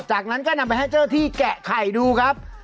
จากนั้นก็นำไปให้เจ้าที่แกะไข่ดูครับ